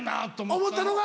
思ったのが？